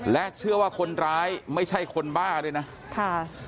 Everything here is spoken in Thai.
และเชื่อว่าคนร้ายไม่ใช่คนบ้าด้วยนะค่ะ